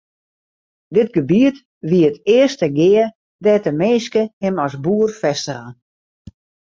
Dit gebiet wie it earste gea dêr't de minske him as boer fêstige.